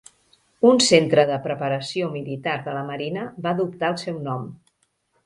Un centre de Preparació Militar de la Marina va adoptar el seu nom.